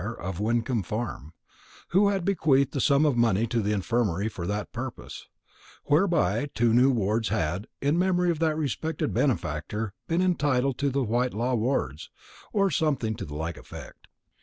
of Wyncomb Farm, who had bequeathed a sum of money to the infirmary for that purpose, whereby two new wards had, in memory of that respected benefactor, been entitled the Whitelaw wards or something to the like effect.